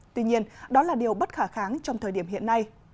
tuy nhiên đó là điều bất khả kháng trong thời điểm hiện nay